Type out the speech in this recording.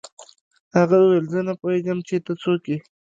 هغه وویل زه نه پوهېږم چې ته څوک یې